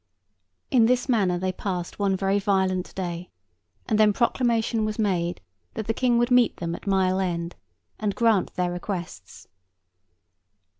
In this manner they passed one very violent day, and then proclamation was made that the King would meet them at Mile end, and grant their requests.